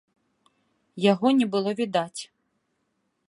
Яго не было відаць.